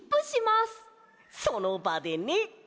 そのばでね。